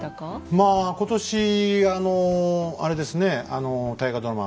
まあ今年あのあれですね大河ドラマ